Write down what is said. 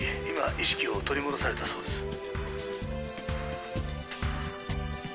今意識を取り戻されたそうです」